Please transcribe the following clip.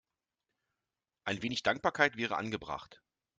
Ein wenig Dankbarkeit wäre angebracht.